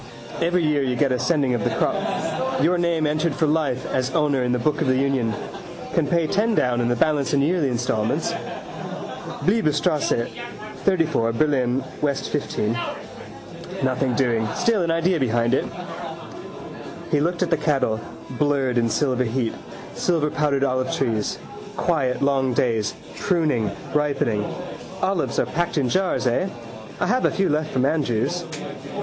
Every year you get a sending of the crop. Your name entered for life as owner in the book of the union. Can pay ten down and the balance in yearly instalments. Bleibtreustrasse 34, Berlin, W. 15. Nothing doing. Still an idea behind it. He looked at the cattle, blurred in silver heat. Silverpowdered olivetrees. Quiet long days: pruning, ripening. Olives are packed in jars, eh? I have a few left from Andrews.